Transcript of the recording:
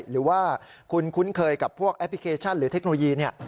หรือว่าคุณคุ้นเคยกับพวกแอปพลิเคชันหรือเทคโนโลยี